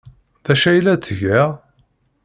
D acu ay la ttgeɣ?